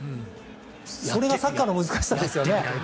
それがサッカーの難しさですよね。